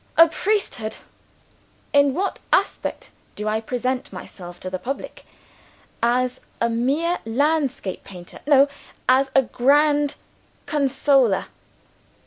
A Priesthood! In what aspect do I present myself to the public? As a mere landscape painter? No! As Grand Consoler!"